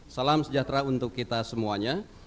salam sejahtera untuk kita semuanya